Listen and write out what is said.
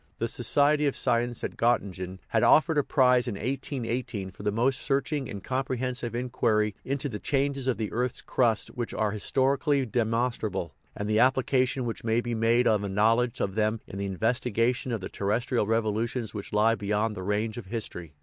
The Society of Science at Gottingen had offered a prize in 1818 for "the most searching and comprehensive in quiry into the changes in the earth's crust which are historically demonstrable, and the application which may be made of a knowledge of them in the investi gation of the terrestrial revolutions which lie beyond the range of history."